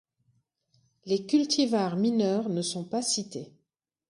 Les cultivars mineurs ne sont pas cités.